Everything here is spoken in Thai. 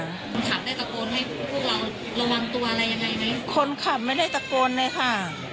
คนขับได้ตะโกนให้พวกเราระวังตัวอะไรยังไงไหมคนขับไม่ได้ตะโกนเลยค่ะ